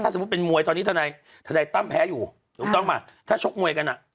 ถ้าสมมติเป็นมวยตอนนี้ท่านไหนตั้มแพ้อยู่ถ้าชกมวยกัน